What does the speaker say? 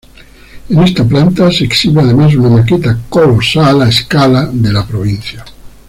En esta planta se exhibe además una maqueta colosal a escala de la provincia.